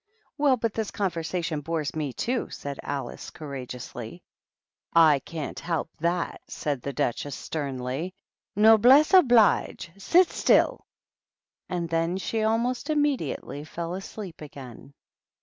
" Well but this conversation bores me too," said Alice, courageously. " I can't help that," said the Duchess, sternly. " Noblesse oblige; sit still." And then she almost immediately fell asleep again.